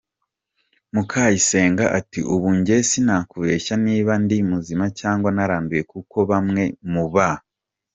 Mukayisenga ati “ Ubu njye sinakubehya niba ndi muzima cyangwa naranduye kuko bamwe mu ba…….